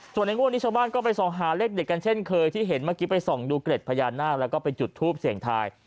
ส่วนในงวดนี้ชาวบ้านก็ไปส่องหาเลขเด็ดกันเช่นเคยที่เห็นเมื่อกี้ไปส่องดูเกร็ดพญานาคแล้วก็ไปจุดทูปเสียงทาย